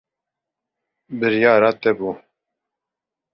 Biryara te bû.